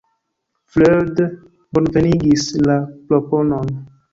Freud bonvenigis la proponon.